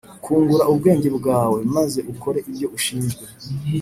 kangura ubwenge bwawe maze ukore ibyo ushinzwe